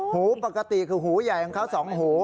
หูปกติคือหูใหญ่ของเขา๒หู